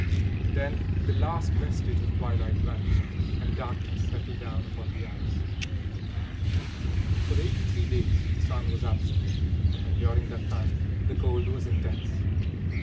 Then the last vestige of twilight vanished and darkness settled down upon the ice. For eighty three days the sun was absent, and during that time the cold was intense.